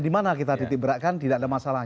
dimana kita ditiberatkan tidak ada masalah